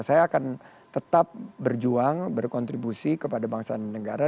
saya akan tetap berjuang berkontribusi kepada bangsa dan negara